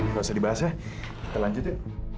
nggak usah dibahas ya kita lanjut ya